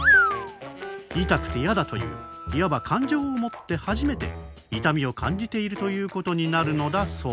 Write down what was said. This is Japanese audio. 痛くて嫌だといういわば感情を持って初めて「痛みを感じている」ということになるのだそう。